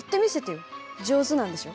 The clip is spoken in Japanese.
上手なんでしょ？